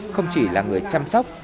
không chỉ là người chăm sóc